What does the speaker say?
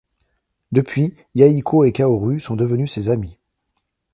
Depuis Yahiko et Kaoru sont devenus ses amis.